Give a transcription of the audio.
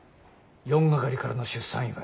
４係からの出産祝。